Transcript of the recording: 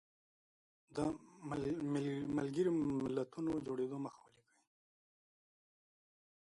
د ملګرو ملتونو د جوړېدو موخې ولیکئ.